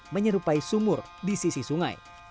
menyerupai sumur di sisi sungai